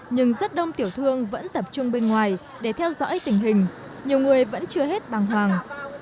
nhưng rất đông tiểu thương vẫn tập trung bên ngoài để theo dõi tình hình nhiều người vẫn chưa hết bằng hoàng